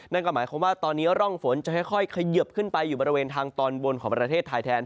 นั่นก็หมายความว่าตอนนี้ร่องฝนจะค่อยเขยิบขึ้นไปอยู่บริเวณทางตอนบนของประเทศไทยแทน